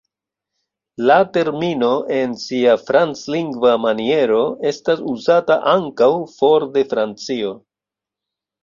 La termino en sia franclingva maniero estas uzata ankaŭ for de Francio.